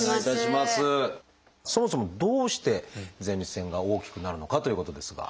そもそもどうして前立腺が大きくなるのかということですが。